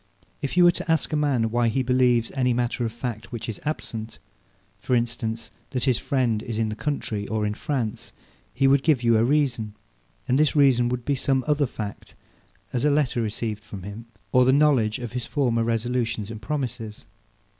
If you were to ask a man, why he believes any matter of fact, which is absent; for instance, that his friend is in the country, or in France; he would give you a reason; and this reason would be some other fact; as a letter received from him, or the knowledge of his former resolutions and promises.